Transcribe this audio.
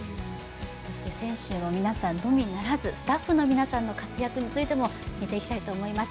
そして選手の皆さんのみならずスタッフの皆さんの活躍についても見ていきたいと思います。